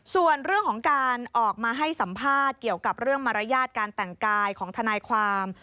ส่วนเรื่องของการออกมาให้สัมภาษณ์เกี่ยวกับเรื่องมารยาทการแต่งกายของทนายความ